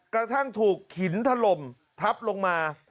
กระทั่งถูกหินถล่มทับลงมา